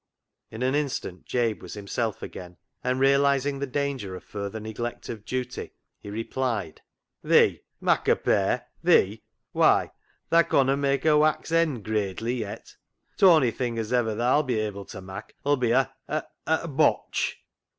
" In an instant Jabe was himself again, and realising the danger of further neglect of duty, he replied —" Thee mak' a pair ! Thee ! Why, tha conna mak' a wax end gradely yet. T'ony thing as ever tha'll be able to mak' 'ull be a a a botch."